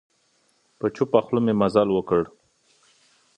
په چوپه خوله مي مزل وکړ .